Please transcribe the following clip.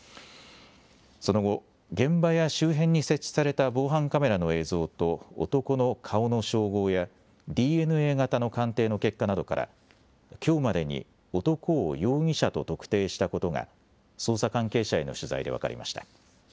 その後、現場や周辺に設置された防犯カメラの映像と男の顔の照合やＤＮＡ型の鑑定の結果などから、きょうまでに男を容疑者と特定したことが捜査関係者への取材で分かりました。